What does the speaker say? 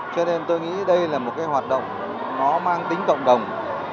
cho nên tôi nghĩ đây là một hoạt động mang tính cộng đồng